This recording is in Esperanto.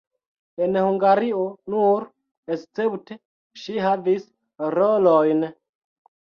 En Hungario nur escepte ŝi havis rolojn.